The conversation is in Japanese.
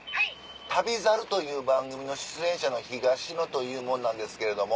『旅猿』という番組の出演者の東野という者なんですけれども。